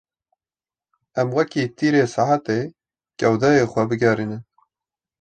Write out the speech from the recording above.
Em weke tîrê saetê gewdeyê xwe bigerînin.